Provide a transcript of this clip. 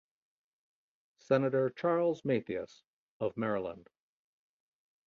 Senator Charles Mathias of Maryland.